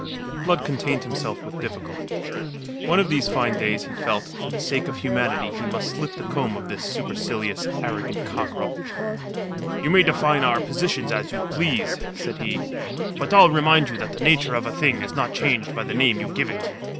Blood contained himself with difficulty. One of these fine days, he felt, that for the sake of humanity he must slit the comb of this supercilious, arrogant cockerel. "You may define our positions as you please," said he. "But I'll remind you that the nature of a thing is not changed by the name you give it.